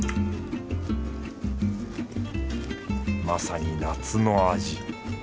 まさに夏の味。